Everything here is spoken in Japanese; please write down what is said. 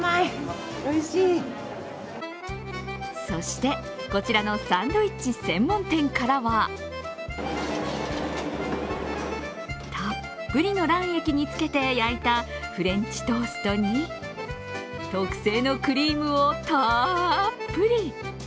そして、こちらのサンドイッチ専門店からはたっぷりの卵液につけて焼いたフレンチトーストに特製のクリームをたっぷり。